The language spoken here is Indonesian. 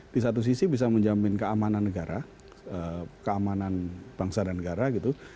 di satu sisi bisa menjamin keamanan negara keamanan bangsa dan negara gitu